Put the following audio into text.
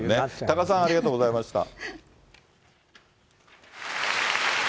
多賀さん、ありがとうございました。